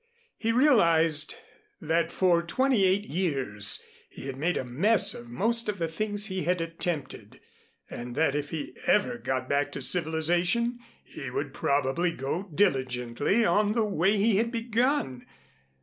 He realized that for twenty eight years he had made a mess of most of the things he had attempted, and that if he ever got back to civilization, he would probably go diligently on in the way he had begun.